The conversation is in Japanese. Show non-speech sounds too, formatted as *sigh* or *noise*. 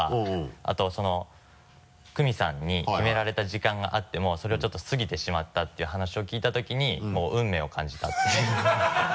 あとクミさんに決められた時間があってもそれをちょっと過ぎてしまったていう話を聞いた時にもう運命を感じたっていう *laughs*